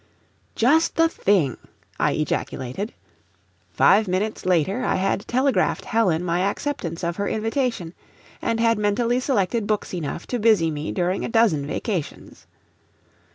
"Just the thing!" I ejaculated. Five minutes later I had telegraphed Helen my acceptance of her invitation, and had mentally selected books enough to busy me during a dozen vacations.